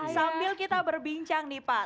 sambil kita berbincang nih pak